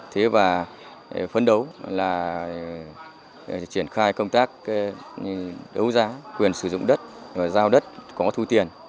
thế và phấn đấu là triển khai công tác đấu giá quyền sử dụng đất giao đất có thu tiền